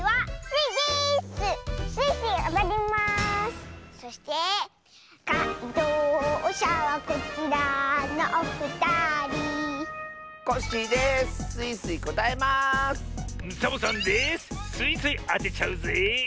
スイスイあてちゃうぜ！